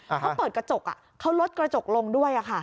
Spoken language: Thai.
เขาเปิดกระจกเขาลดกระจกลงด้วย